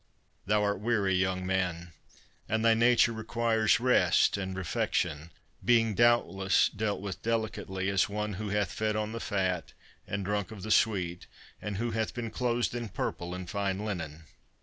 —Thou art weary, young man, and thy nature requires rest and refection, being doubtless dealt with delicately, as one who hath fed on the fat, and drunk of the sweet, and who hath been clothed in purple and fine linen."